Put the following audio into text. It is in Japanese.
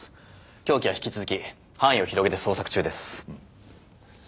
凶器は引き続き範囲を広げて捜索中です。